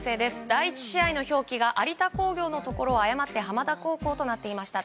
第１試合の表記が有田工業のところを誤って浜田高校となっていました。